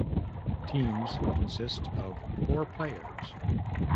Teams consist of four players.